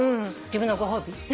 自分のご褒美？